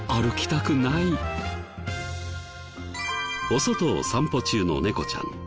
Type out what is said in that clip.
お外を散歩中の猫ちゃん。